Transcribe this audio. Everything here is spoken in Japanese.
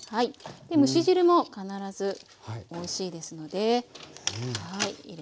蒸し汁も必ずおいしいですので入れて下さい。